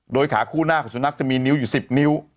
โดยขาคู่หน้าของสุนัขจะมีนิ้วอยู่๑๐นิ้ว